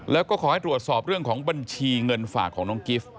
แล้วก็ขอให้ตรวจสอบเรื่องของบัญชีเงินฝากของน้องกิฟต์